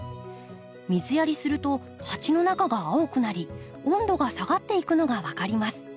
水やりすると鉢の中が青くなり温度が下がっていくのが分かります。